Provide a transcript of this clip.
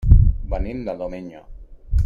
Venim de Domenyo.